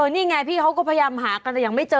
นี่ไงพี่เขาก็พยายามหากันแต่ยังไม่เจอ